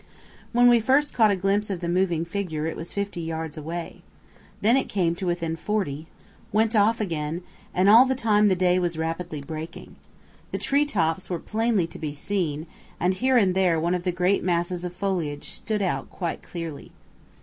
When we first caught a glimpse of the moving figure it was fifty yards away. Then it came to within forty, went off again, and all the time the day was rapidly breaking. The tree tops were plainly to be seen, and here and there one of the great masses of foliage stood out quite clearly.